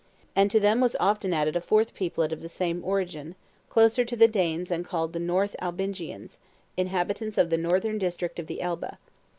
And to them was often added a fourth peoplet of the same origin, closer to the Danes and called North Albingians, inhabitants of the northern district of the Elbe.